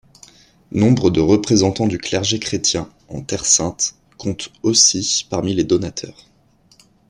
Nombre de représentants du clergé chrétien en Terre Sainte comptent aussi parmi les donateurs.